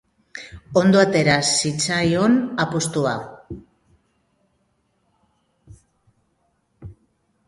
Ondo atera zitzaion apustua.